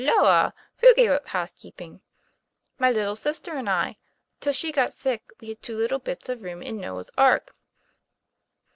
' Halloa! who gave up housekeeping ?"" My little sister and I. Till she got sick, we had two little bits of rooms in 'Noah's Ark.'